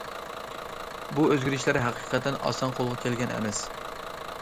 بۇ ئۆزگىرىشلەر ھەقىقەتەن ئاسان قولغا كەلگەن ئەمەس.